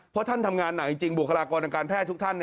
เพราะท่านทำงานหนักจริงบุคลากรทางการแพทย์ทุกท่าน